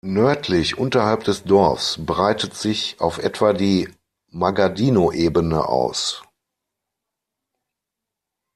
Nördlich unterhalb des Dorfs breitet sich auf etwa die Magadinoebene aus.